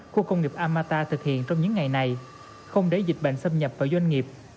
khu công nghiệp amata thực hiện trong những ngày này không để dịch bệnh xâm nhập vào doanh nghiệp